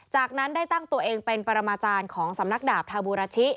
จากนั้นได้ตั้งตัวเองเป็นปรมาจารย์ของสำนักดาบทาบูราชิ